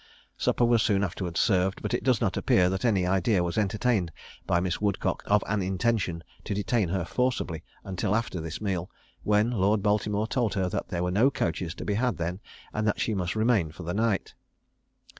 Supper was soon afterwards served; but it does not appear that any idea was entertained by Miss Woodcock of an intention to detain her forcibly until after this meal, when Lord Baltimore told her that there were no coaches to be had then, and that she must remain for the night.